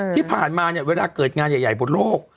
ที่ผ่านมาเนี่ยเวลาเกิดงานใหญ่บนโลก